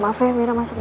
maaf ya mira masuk dulu